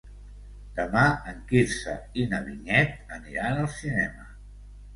Demà en Quirze i na Vinyet aniran al cinema.